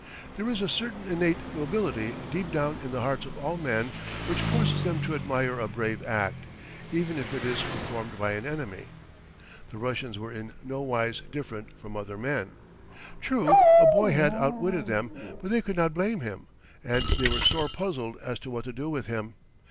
There is a certain innate nobility deep down in the hearts of all men, which forces them to admire a brave act, even if it is performed by an enemy. The Russians were in nowise different from other men. True, a boy had outwitted them; but they could not blame him, and they were sore puzzled as to what to do with him.